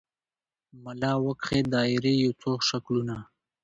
ملا وکښې دایرې یو څو شکلونه